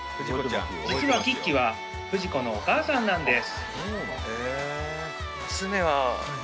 実はキッキはフジコのお母さんなんです